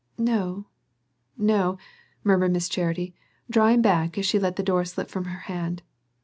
"No, no," murmured Miss Charity, drawing back as she let the door slip from her hand.